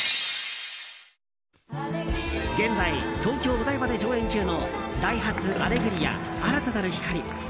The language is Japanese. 現在、東京・お台場で上演中の「ダイハツアレグリア‐新たなる光‐」。